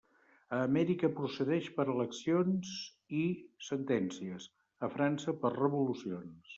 A Amèrica procedeix per eleccions i sentències; a França, per revolucions.